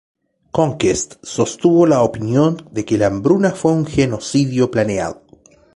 Conquest sostuvo la opinión de que la hambruna fue un genocidio planeado.